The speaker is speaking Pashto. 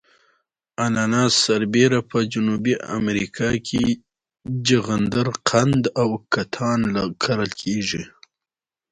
اناناس سربېره په جنوبي امریکا کې جغندر قند او کتان کرل کیږي.